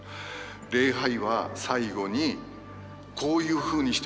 礼拝は最後にこういうふうにして終わります。